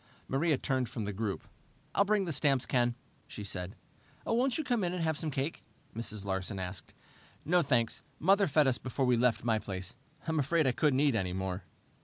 Maria turned from the group. "I'll bring the stamps, Ken," she said. "Won't you come in and have some cake?" Mrs. Larsen asked. "No, thanks. Mother fed us before we left my place. I'm afraid I couldn't eat any more."